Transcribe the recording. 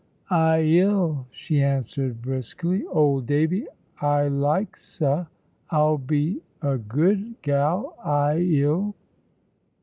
"I 'ill," she answered, briskly. "Old Davy, I likes 'a. I'll be a good gal, I 'ill."